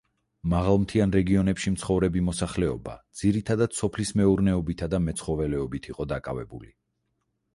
მაღალმთიან რეგიონებში მცხოვრები მოსახლეობა ძირითადად სოფლის მეურნეობითა და მეცხოველეობით იყო დაკავებული.